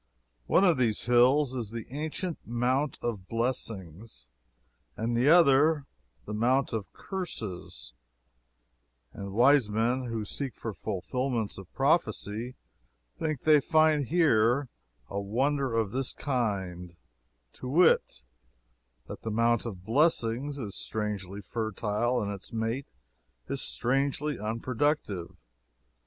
One of these hills is the ancient Mount of Blessings and the other the Mount of Curses and wise men who seek for fulfillments of prophecy think they find here a wonder of this kind to wit, that the Mount of Blessings is strangely fertile and its mate as strangely unproductive.